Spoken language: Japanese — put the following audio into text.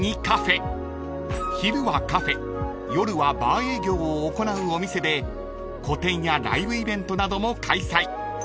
［昼はカフェ夜はバー営業を行うお店で個展やライブイベントなども開催］